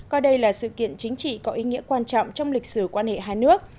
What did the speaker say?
coi đây là sự kiện chính trị có ý nghĩa quan trọng trong lịch sử quan hệ hai nước